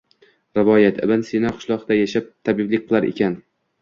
Rivoyat: Ibn Sino qishloqda yashab, tabiblik qilar ekan